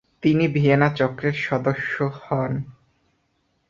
তিনি ভিয়েনা চক্রের সদস্য হন।